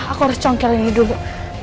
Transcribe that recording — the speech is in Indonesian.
aku harus congkirin hidup